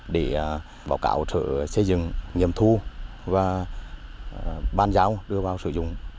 để báo cáo sự xây dựng nghiệm thu và bàn giao đưa vào sử dụng